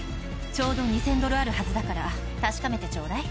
ちょうど２０００ドルあるはずだから確かめてちょうだい。